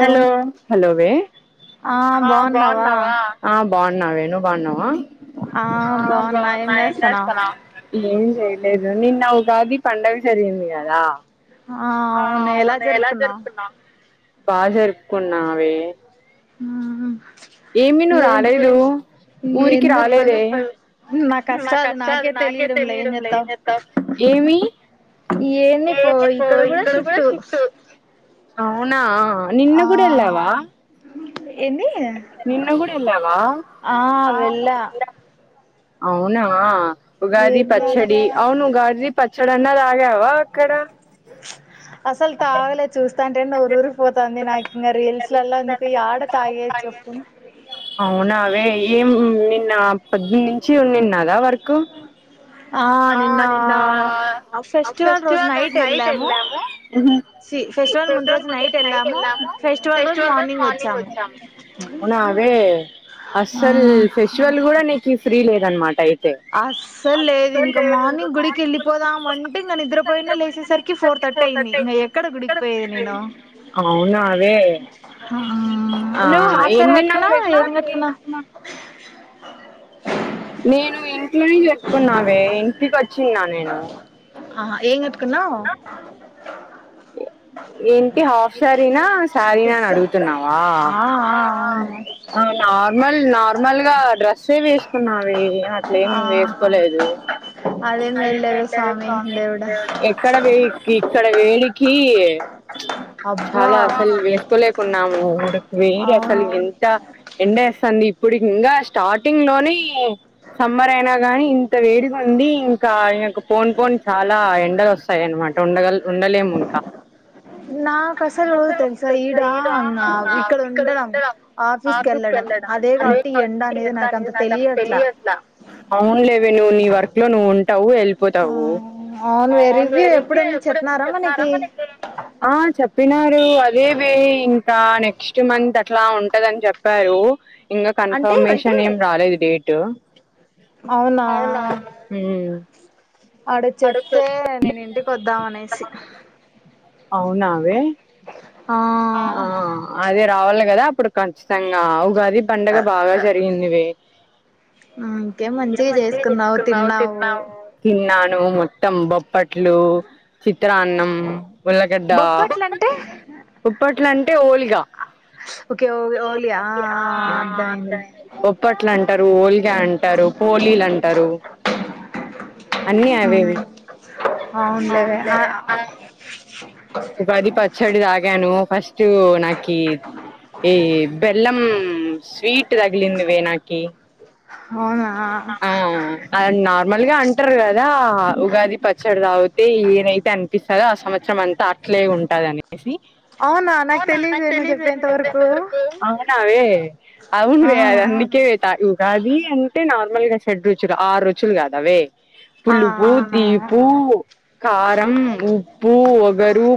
Hello hello వే ఆ బాగున్నావా బాగున్నావే నువ్వు బాగున్నావా ఆ బాగున్నా ఎమ్ చేస్తున్నావ్ లే లేదు నిన్న ఉగాది పండగ సరేమియాదా ఆ అవునే ఎలా జరుపుకున్నావ్ బా జరుకున్నావే ఉహు ఏమి నువ్వు రాలేదు ఊరికి రాలేదే నా కష్టాలు నాకే తెలియడం లేం ఏం చతవ్ ఏమి అంది పో ఇక్కడ కూడా షిఫ్ట్ అవునా నిన్న కూడా ఎళ్ళావా ఎన్ని ఆ వెళ్ళ అవునా ఉగాది పచ్చడి అవును ఉగాది ఇది పచ్చడన్నా తాగావా అక్కడ అసల్ తాగలే చూస్తాను. ట ఊరురికి పోతాంది నాకు ఇ రియల్స్లల్ల ఎందుకు ఆడ తాగేది చెప్పు ఏం నిన్న పద్ నుంచి ఉన్నినాద వర్క్ ఆ నిన్న ఫెస్టివల్ రోజు నైట్ వెళ్లము. సి అవునావే అస్సల్ ఫెస్టివల్ గుడ నిక్ శ్రీ లేదన్మాట అయి అస్సల్ లేదు ఇంకా మార్నింగ్ గుడికి వెళ్ళిపోదామంటే ఇంకా నిద్రపోయినా లేసేసరికి ఫోర్ థర్టీ అయింది ఇంక ఎక్కడ గుడికి పోయేది నేను నువ్వు హాఫ్ సారీ కట్టుకున్నా ఏది కట్టుకున్నా నే నువు ఇంట్లోనే చెప్పుకున్నావే ఇంటికి వచ్చిన నేను ఏం కట్టుకున్నావ్ ఏంటి హాఫ్ సారినా నా సారినా అని అడుగుతున్నావా నార్మల్ నార్మల్గా డ్రెస్సే వేసుకున్నావే అట్లేం వేసుకోలేదు. ఎక్కడవే ఇక్కడ వేడి కి చాలా అసల్ వేస్కోలేకున్నాము గు వేడి అసలు ఎంత ఎండ స్తది. ఇప్పుడు ఇంకా స్టార్టింగ్ లోనే సమ్మర్ అయినా గానీ ఇంత వేడిగుంది ఇంకా ఇ పోన్ పోన్ చాలా ఎండలు వస్తాయన్నమాట ఉండ ఉండలేము. కా నాక్ అసలు తెలుసా ఈడ ఇక్కడ ఉండడం ఆఫీస్కెళ్ళడం అదే కాబట్టి ఈ ఎండ అనేది నాకు అంత తెలియట్లా నువ్వు నీ వర్క్ లో నువ్వు ఉంటావు వెళ్ళిపోతావు. అవునువే రివ్యూ ఎప్పుడుంది చెప్పిన్నారా మరి నీకీ ఆ చెప్ చెప్పినారు. అదేవే ఇంకా నెక్స్ట్ మంత్ అట్లా ఉంటదని చెప్పారు. ఇంకా కన్ఫర్మేషన్ ఏం రాలేదు డేట్ ట్ మ్ ఆడ చెప్తే నేను ఇంటికి వద్దాం అనేసి అవునా వే ఆ అదే రావాలి కదా ఇపుడు కంచ్చితంగా ఉగాద్ ఈ పండగ బాగా జరిగింది వే తిన్నాను మొత్తం బొ, ప్పట్లు చిత్రాన్నం ఉల్లగడ్డ ఉప్పట్లు అంటే ఓలిగా ఉప్పట్లు అంటారు, ఓలిగా అంటారు పోలీలు అంటారు అన్నీ అవే వే. ఉగాది పచ్చడి తాగాను మ్మ్ ఫస్ట్ నాకి ఈ బెల్లం మ్ స్వీ తగిలింది వే నాకి అ నార్మల్గా అంటారు కదా ఉగాది పచ్చడి తావుతే ఏనైతే అనిపిస్తాద అంతా అట్లే ఉంటది అనేసి అవునా నాకు తెలియదే నువ్వు చెప్తేవరకు అవునావే అవును వే అ అందుకే ఉగాది అంటే నార్మల్ గా షెడ్ రుచులు ఆరు రుచులు కాదా వే పులుపు తీపు కారం ఉ ఉప్పు వగరు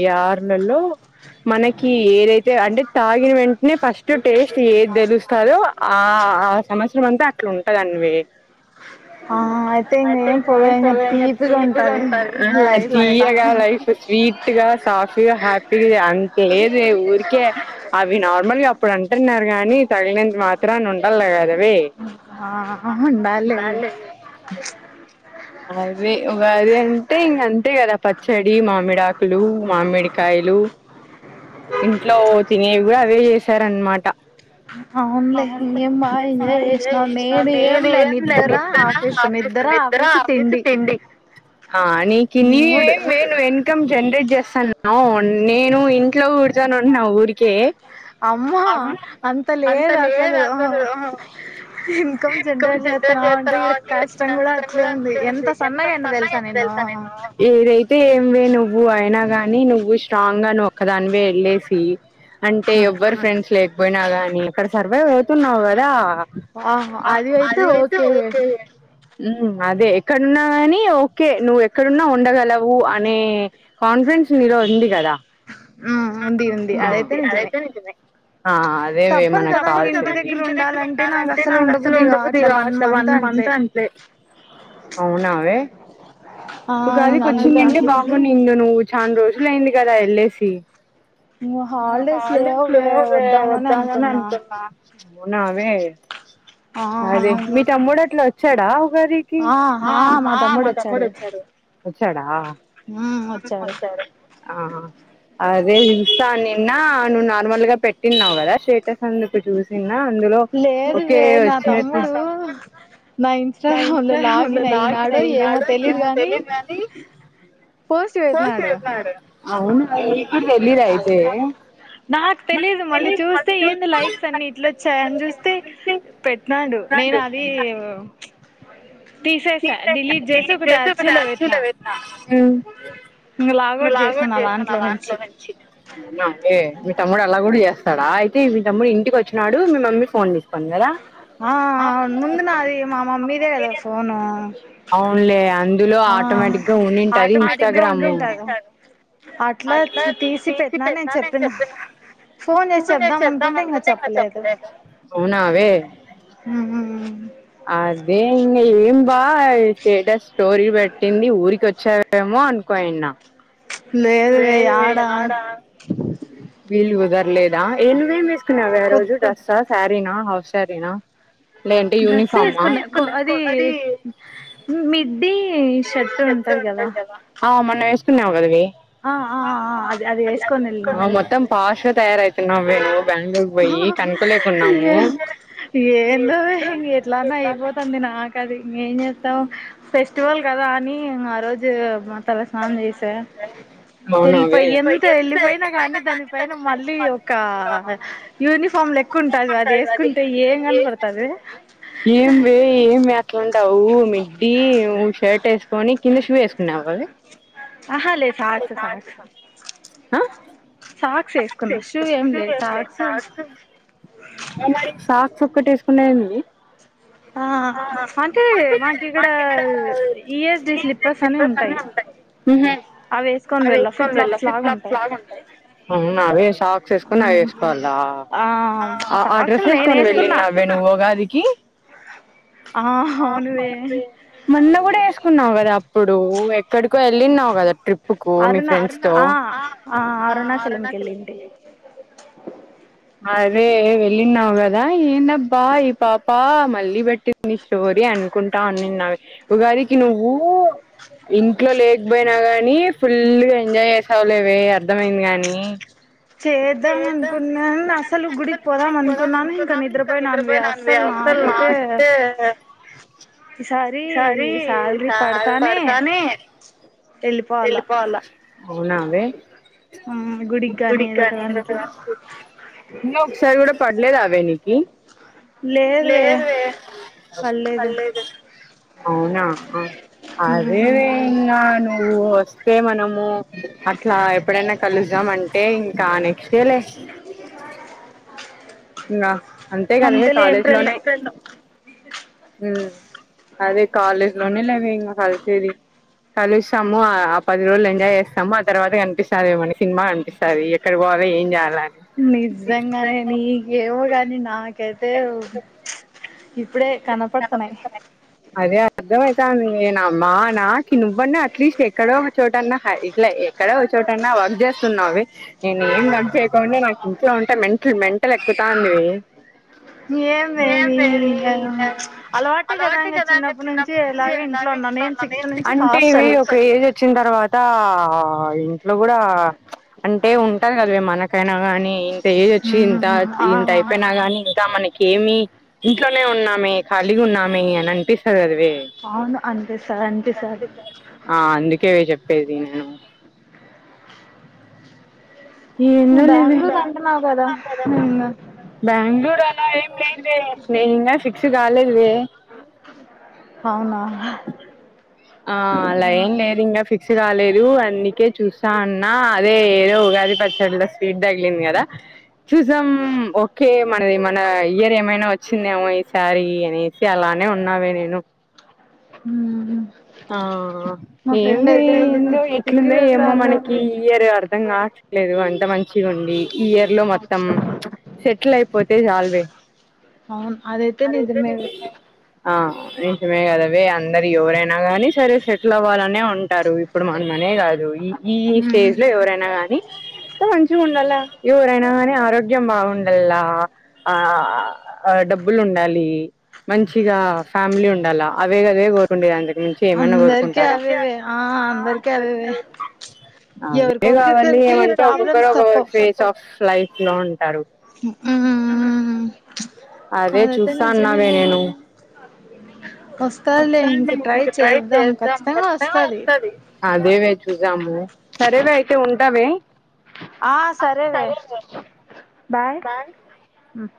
ఈ ఆరుల్లో మనకి ఏదైతే అంటే తాగిన వెంటనే ఫస్ట్ టేస్ట్ ఏది తెలుస్తాదొ ఆ ఆ సంవత్సరం అంతా అట్లా ఉంట అన్వే ఆ అయితే ఇంగ ఏంపోవె తీపు తీయగా లైఫ్ స్వీట్ గా సాఫీ హ్యాపీగా అంత లేదు ఊరికే అవి నార్మల్గా అప్పుడు అంటున్నారు గాని తగినంత మాత్రాన ఉండల్ల కదవే నార్వే వే అదే గది అంటే ఇంక అంతే కదా పచ్చడి మామిడి ఆకులు మామిడికాయలు ఇంట్లో తినేవి కూడా అవే చేస్త స్తార్ అనమాట అవునులే ఇంగెం బా ఎంజాయ్ చేసినావు నేను ఏంలే నిద్దరా ఆఫీసు నిద్దరా ఆఫీసు తిండి ఆ నీకివి [unintelligible] ఇన్కమ్ జనరేట్ చేస్తన్నావ్ నేను ఇంట్లో నే కూర్చొని ఉన్నావ్ ఊర్ అమ్మా అంత లేదు అసలు ఆ ఇన్కమ్ జనరేట్ చెత్తన్నావ్ అంటే ఇక్కడ కష్టం కూడా అట్లే ఉంది ఎంత సన్నగా సన్నగా అయిన తెలుసా నేను ఏదైతే ఏమి వే నువ్వు అయినా గాని నువ్వు స్ట్రాంగ్ గా నువ్ ఒక్క దానివి వెళ్ళేసి అంటే ఎవ్వరు ఫ్రెండ్స్ లేకపోయినా కాగానీ అక్కడ స అరవై పోళ్తున్నావు కదా ఆ అది అయితే ఓకేే ఉ అదే ఎక్కడన్నా కానీ ఓకే నువ్వు ఎక్కడున్నా ఉండగలవు అనే కాన్ఫిడెన్స్ నిలో ఉంది కదా అదైతే ని ఆ అదేవ మనకు కాల్ ఇంటి దగ్గర ఉండాలంటే నాకు అసలు ఉండకుదుగా అట్ వన్ మంత్ అంటే అవునా ఒకదికి వచ్చిందింటే బాగుని నవు చాలా రోజులుయింది కదా వెళ్ళేసి హాల ఫ్లేవ వద్దామని అనుకున్నా మవునావే అదే మీతో మూడట్లో వచ్చా చడ ఆ ఆ మ ఆ మా తమ్ముడు వచ్చారు వచ్చడా అదే దసా నిన్న ను నార్మల్ గా పెట్ట తిన్నావు కదా స్టేటస్ అందుకు చూసి లేదువే నా తమ్ముడు నా ఇన్స్టాగ్రామ్ లో లాగిన ఈనాడు యినాడు ఏమో తెలిదు అని అవునా తెలిర అయితే నాకు తెలిదు చూ చేయని చూస్తే పెట్నాడు నేను అది లీ చేస్తే అచీలో విలాగ చేసా అ దంట్లో నుంచి మీ తమ్ముడు అలా కూడా చేస్తాడా తముడు ఇంటి వచ్చాడు మీ మమ్మీ ఫోన్ చేసి ఆ ముందునా అది మామ మీదేదదు ఫోను అవున్లే ఇందులో ఆటోమేటిక్ గా ఉది ఇస్ాగ్రామ్ అట్ాకుంటే ఇం చెప్పలే అవునావే అదే ఇం ఏం బా చెేడస్ స్టోరీ పెట్టింది ఊరికి వచ్చా ఏమో అనుకోయిన్నా లేదువే ఆడా లేదా ఏనువే మ నవే రోజు స్స్తా శారీనా హవ శ్యారీనా లే అంట యూనిఫ వేసుకున్న అది మిడ్ డే షర్ట్ ఉంటంది కదా న్నావ గవి మత్తం పాష్ తయారయి తినం మే నువు ఏ ఏందవం ఎట్లా అ అయిపోతుంది నాకు అది ఇం ఏం చేస్తాం ఫెస్టివల్ కదా అని ఆ రోజు తల స్నానం చేసా వెళ్ళిపోయి ఎంత వెళ్ళిపోయినా కానీ దానిపైన మళ్ళీ ఒక యూనిఫామ్ లెకు ఉంటదు అది వేసుకుంటే ఏం కనపడుతుంది వు మిడ్డి షర్ట్ వేసుకొని కింద షూ వేసుకున్నా వాళి ఆహా లేదు సాక్స్ సాక్స్ సాక్స్ వేసుకున్నా షూ ఏం లేదు సాక్స్ ఆ అంటే మాకి ఇక్కడ ఈఎస్డి స్లిప్పర్స్ అని ఉంటాయి అకని వె లాక్స్ వేకని అ వేకో ఆ డ్రెస్ వేసుకని వెళ్ళ నువ కాదికి మొన్న కూడా వేసుకున్నావు కదా అ ఇప్పుడు ఎక్కడ వెళ్ళన్నావు కదా ట్రిప్పు కు మీ ఫ్రెండ్స్ తాచ అ అదే ఇలి నవదా ఏ బాయ్ పా పా పళ్లి పెట్టి స్టోరీ అనుకుంటా అన్ని నావి ఉగాదికి నువ్వు ఇంట్లో లేకపోయినా ని ఫుల్ గా ఎంజాయ్ చేసావులేవ అర్ధమయింది గానీ చేద్దాం అనుకున్న అస్సలు గుడికి పోదాం అనుకున్నాను ఇంకా నిద్రపోయి నాను అస్సలు నాకైతే ఈసారి శాలరీ పడతానే ఏళ్ళిపోవాలా అవున వే గుడిని [unintelligible] ఒకసారి కూడా పడలే హా దేనికి లేదే పల్లేదు అవునా అదే వే ఇంగను వ్వు వస్తే మ మనము అట్లా ఎప్పుడైనా కలుస్తమ్ అంటే ఇంకా నెక్స్ట్ లే నా అంతే గాదనే కాలేజ్ లోనే ఉ అదే కాలేజ్ లోనే లే ఇంగా కలిసేది కలుస్తాము. ఆ పది రోజులు ఎంజాయ్ చేస్తాము. ఆ తర్వాత కనిపిస్తది ఏమని సినిమా కనిపిస్తంది. ఎక్కడ పోవలో ఏం జేయ నిజంగానే నీగే ఏవోగానీ నా కైతే ఇప్పుడే కనపడతున్నాయి [unintelligible] వన్న అట్లీస్ట్ ఎక్కడో చోటాన్న ఇట్లా ఎక్కడో చోటన్నా వర్క్ చేస్తున్నావే నేను ఏం వర్క్ చేయకుండా నాకు ఇంట్లో ఉంటే మెంటల్ మెంటల్ ఎక్కుతాందే ఏమేమి ఇద అంటే ఇవి ఒక ఏజ్ వోచ్చిన తర్వాత ఆ ఇంట్లో కూడా అంటే ఉంటది కదా మనకైనా గాని ఏజ్ వోచ్చి ఇంత ఇంత అయిపోయినా గాని ఇంకా మనకి ఏమి ఇంట్లోనే ఉన్నా మే ఖాళీ ఉన్నామే అని అనిపిస్తది గాదా అవును అనిపిస్తాది అనిపిస్తాది కె చెప్పేది నేను ఏందో లే వే బ్యాంగళూరు అలా ఏం లేదే నేను ఇంగా సి పిక్స్ కాలేదు వే ఆ అలా ఏం లేదు ఇంకా ఫిక్స్ కాలేదు అన్ని కే చూస్త అన్నా అదే ఏదో ఉగాది. పచ్చళ్ళు స్పీడ్ తగిలింది గాదా చూస్తమ్ ఓకే మనది మన ఇయర్ ఏమైనా వచ్ చింది ఏమో ఈ సారీ అనేసి అలానే ఉన్నావే నేను హు ఆ ఏమి అయిందో ఎట్లుందో ఏమో మనకి ఈ ఇయర్ అర్ధం కావట్లేదు అంత మం శివండి ఈ ఇయర్‌ లో మొత్తం సెట్‌లయ్ పోతే చాల్ వే అది అయితే నిజమే ఆ నిజమే కద వే అన్ అందరి ఎవరైనా నా కానీ సరే సెటిల్ అవ్వాలనే ఉంటారు ఇప్పుడు మనమే కాదు ఈ ఈ స్టేజ్ లో ఎవరైనా కానీ నీ మంచిగా ఉండాల ఎవరైనా కానీ ఆరోగ్యం బాగుండల్ల ఆ డబ్బులు ఉండాలి మంచిగా ఫ్యామిలీ ఉండాలా అవే గద వే కోరుకుండేది ఏచ్ ఏమన్నా కోరుకుంటార అవే కావాలి ఏమంటే ఒక్కొక్కరు ఒక్కొ ఫేస్ ఆఫ్ లైఫ్ లో ఉంటారు అదే చూస్తున్న అదే నేను ఆ నా వస్తాలే ఇంక ట్రై చ్ ట్రై చేద్దాం ఖచ్చితంగ వస్తది అదే వే చూసాము సరే వే అయితే ఉంటావే ఆ సరే వే బాయ్ మ్మ్